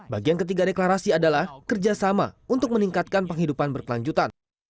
bagian ketiga deklarasi adalah kerjasama untuk meningkatkan penghidupan berkelanjutan